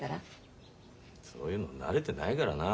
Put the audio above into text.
そういうの慣れてないからな。